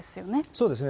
そうですね。